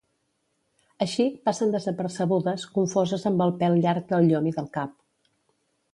Així, passen desapercebudes, confoses amb el pèl llarg del llom i del cap.